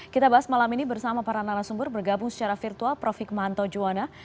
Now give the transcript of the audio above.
kita bahas malam ini bersama para narasumber bergabung secara virtual prof hikmahanto juwana